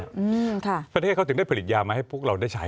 เพราะแท้เขาถึงได้ผลิตยามาให้พวกเราได้ใช้